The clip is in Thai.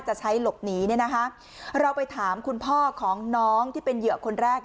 จะใช้หลบหนีเนี่ยนะคะเราไปถามคุณพ่อของน้องที่เป็นเหยื่อคนแรก